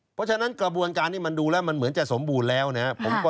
เพราะฉะนั้นกระบวนการนี้มันดูแล้วมันเหมือนจะสมบูรณ์แล้วนะครับ